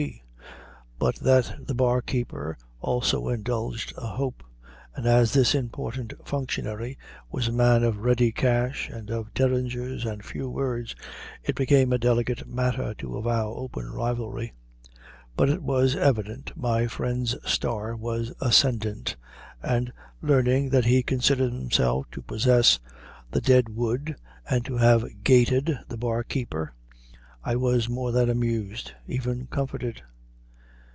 G., but that the bar keeper also indulged a hope, and as this important functionary was a man of ready cash, and of derringers and few words, it became a delicate matter to avow open rivalry; but it was evident my friend's star was ascendant, and, learning that he considered himself to possess the "dead wood," and to have "gaited" the bar keeper, I was more than amused, even comforted.